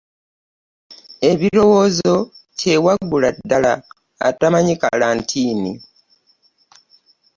Ebirowoozo kyewaggula ddala, atamanyi kkalantiini.